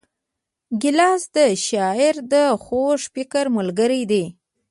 ګیلاس د شاعر د خوږ فکر ملګری دی.